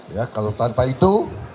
ya kalau tanpa itu